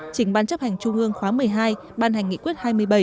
trình ban chấp hành trung ương khóa một mươi hai ban hành nghị quyết hai mươi bảy